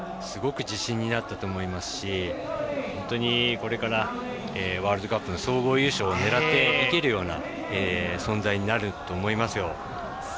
すごく自信になったと思いますしこれから、ワールドカップの総合優勝を狙っていけるような存在になると思いますよ。